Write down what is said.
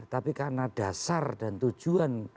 tapi karena dasar dan tujuan